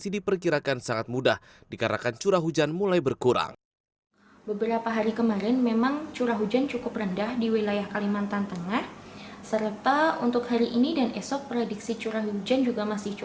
dikirakan sangat mudah dikarenakan curah hujan mulai berkurang